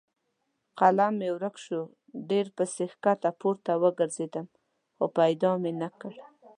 قلم مې ورک شو؛ ډېر پسې کښته پورته وګرځېدم خو پیدا مې نه کړ.